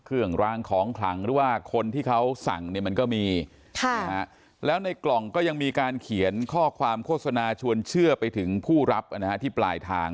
เครื่องรางของขลังหรือว่าคนที่เขาสั่งเนี่ยมันก็มีแล้วในกล่องก็ยังมีการเขียนข้อความโฆษณาชวนเชื่อไปถึงผู้รับที่ปลายทาง